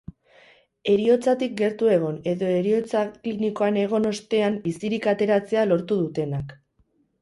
Heriotzatik gertu egon, edo heriotza klinikoan egon ostean bizirik ateratzea lortu dutenak.